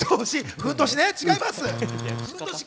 ふんどし違います。